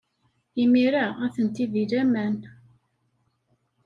Imir-a, atenti deg laman.